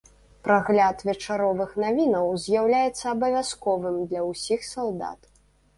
Прагляд вечаровых навінаў з'яўляецца абавязковым для ўсіх салдат.